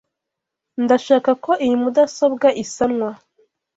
Ndashaka ko iyi mudasobwa isanwa.